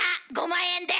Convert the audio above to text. ５万円で！